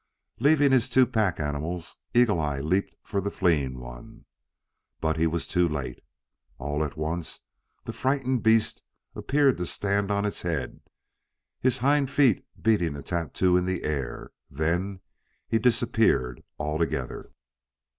Leaving his two pack animals, Eagle eye leaped for the fleeing one. But he was too late. All at once the frightened beast appeared to stand on his head, his hind feet beating a tattoo in the air; then he disappeared altogether.